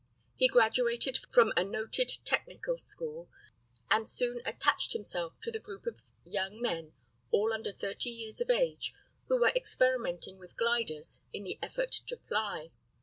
He graduated from a noted technical school, and soon attached himself to the group of young men all under thirty years of age who were experimenting with gliders in the effort to fly.